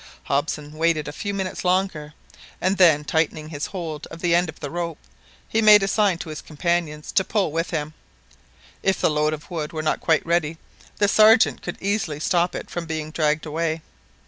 Hobson waited a few minutes longer, and then tightening his hold of the end of the rope, he made a sign to his companions to pull with him. If the load of wood were not quite ready, the Sergeant could easily stop it from being dragged away.